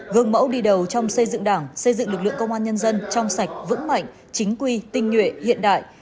gương mẫu đi đầu trong xây dựng đảng xây dựng lực lượng công an nhân dân trong sạch vững mạnh chính quy tinh nhuệ hiện đại